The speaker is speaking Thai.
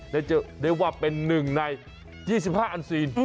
และจะได้ว่าเป็นหนึ่งใน๒๕อันซีน